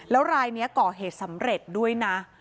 แล้วรายนี้ก่อเหตุสำเร็จด้วยนะ